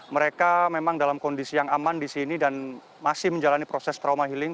mereka memang dalam kondisi yang aman di sini dan masih menjalani proses trauma healing